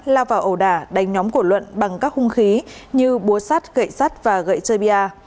lao vào ẩu đả đánh nhóm của luận bằng các hung khí như búa sắt gậy sắt và gậy chơi bia